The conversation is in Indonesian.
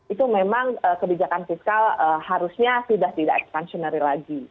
itu memang kebijakan fiskal harusnya sudah tidak expansionary lagi